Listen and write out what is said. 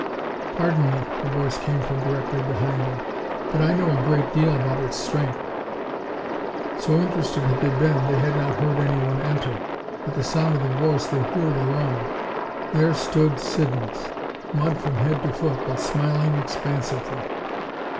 "Pardon me," a voice came from directly behind them, "but I know a great deal about its strength." So interested had they been, that they had not heard anyone enter. At sound of the voice they wheeled around. There stood Siddons, mud from head to foot but smiling expansively.